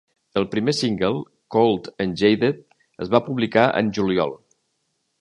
El primer single, "Cold and Jaded", es va publicar en juliol.